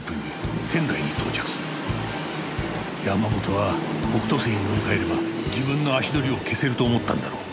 山本は北斗星に乗り換えれば自分の足取りを消せると思ったんだろう。